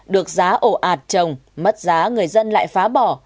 được giá ổ ạt trồng mất giá người dân lại phá bỏ